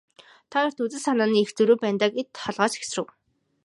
Та хоёрт үзэл санааны их зөрүү байна даа гээд толгой сэгсрэв.